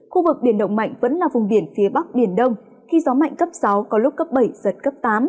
khu vực biển động mạnh vẫn là vùng biển phía bắc biển đông khi gió mạnh cấp sáu có lúc cấp bảy giật cấp tám